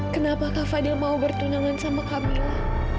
kenapa kenapa fadhil mau bertunangan dengan camilla